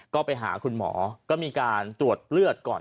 ก็ไปหาคุณหมอก็มีการตรวจเลือดก่อน